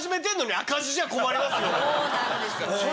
そうなんですよね。